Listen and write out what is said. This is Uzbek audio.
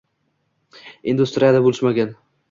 Industriyada boʻlishmagan…